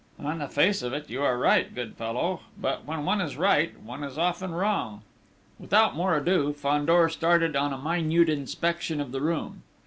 "On the face of it you are right, my good fellow. But, when one is right, one is often wrong!" Without more ado, Fandor started on a minute inspection of the room.